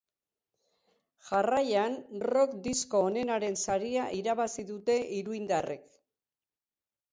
Jarraian, rock disko onenaren saria irabazi dute iruindarrek.